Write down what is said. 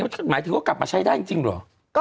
หมายถึงว่ากลับมาใช้ได้จริงเหรอ